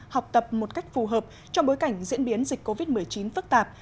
học tập một cách phù hợp trong bối cảnh diễn biến dịch covid một mươi chín phức tạp